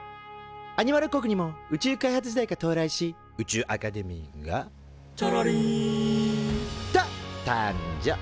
アニマル国にも宇宙開発時代が到来し宇宙アカデミーが「ちゃらりん」と誕生。